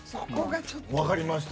分かりました。